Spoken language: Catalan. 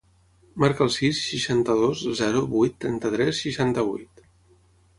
Marca el sis, seixanta-dos, zero, vuit, trenta-tres, seixanta-vuit.